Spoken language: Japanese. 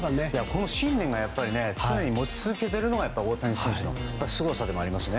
この信念を常に持ち続けているのが大谷選手のすごさでもありますね。